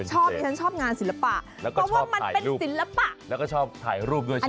ชอบฉันชอบงานศิลปะมันเป็นศิลปะแล้วก็ชอบถ่ายรูปแล้วก็ชอบถ่ายรูปด้วยใช่ไหม